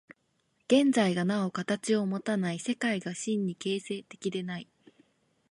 現在がなお形をもたない、世界が真に形成的でない。